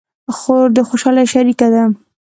خور د خوشحالۍ شریکه ده.